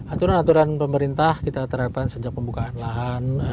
aturan aturan pemerintah kita terapkan sejak pembukaan lahan